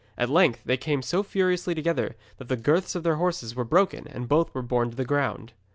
At length they came so furiously together that the girths of their horses were broken and both were borne to the ground.